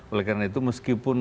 oleh karena itu meskipun